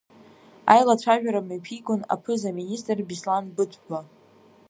Аилацәажәара мҩаԥигон аԥыза-министр Беслан Быҭәба.